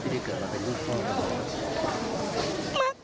ที่ได้เกิดมาเป็นลูกชีวิตอย่างนั้น